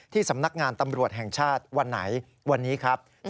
สำนักงานตำรวจแห่งชาติวันไหนวันนี้ครับ